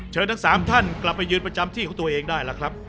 ทั้ง๓ท่านกลับไปยืนประจำที่ของตัวเองได้ล่ะครับ